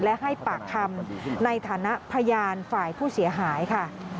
และให้ปากคำในฐานะพยานฝ่ายผู้เสียหายค่ะ